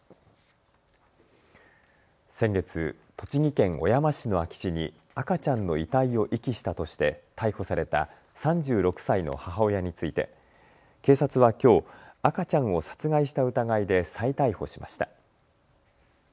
先月、栃木県小山市の空き地に赤ちゃんの遺体を遺棄したとして逮捕された３６歳の母親について警察はきょう赤ちゃんを殺害した疑いで再逮捕しました。